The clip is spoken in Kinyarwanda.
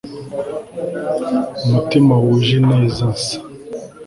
umutima wuje ineza nsa